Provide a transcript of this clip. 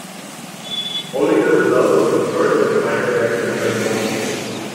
Only the results of the first and final elections are shown here.